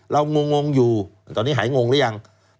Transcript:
งงอยู่ตอนนี้หายงงหรือยัง